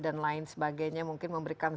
dan lain sebagainya mungkin memberikan